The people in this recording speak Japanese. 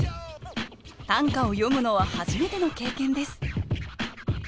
短歌を詠むのは初めての経験です